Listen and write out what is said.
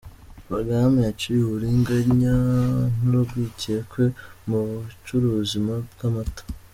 Porogaramu yaciye uburiganya n’urwikekwe mu bucuruzi bw’amata.